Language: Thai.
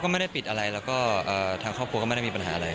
ไม่ได้ปิดอะไรแล้วก็ทางครอบครัวก็ไม่ได้มีปัญหาอะไร